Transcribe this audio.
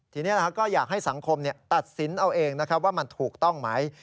ทีนี้ก็อยากให้สังคมตัดสินเอาเองนะครับว่ามันถูกต้องไหม